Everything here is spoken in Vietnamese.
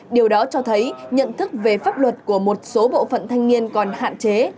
điều đó cho thấy nhận thức về pháp luật của một số bộ phận thanh niên còn hạn chế